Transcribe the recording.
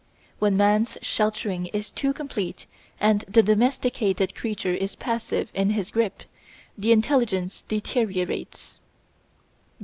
When man's sheltering is too complete and the domesticated creature is passive in his grip, the intelligence deteriorates.